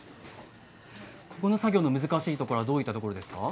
この作業の難しいところはどういったところですか？